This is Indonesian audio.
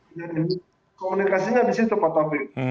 iya komunikasinya di situ pak taufik